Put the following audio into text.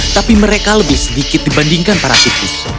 tapi mereka lebih sedikit dibandingkan para tipis